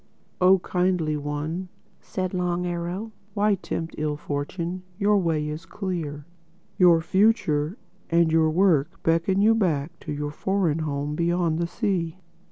"Oh Kindly One," said Long Arrow, "why tempt ill fortune? Your way is clear. Your future and your work beckon you back to your foreign home beyond the sea.